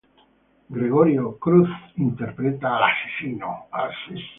Gregory Cruz interpreta al asesino.